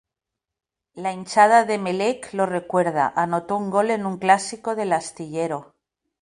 La hinchada de Emelec lo recuerda, anotó un gol en un Clásico del Astillero.